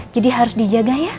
jadi harus dijaga ya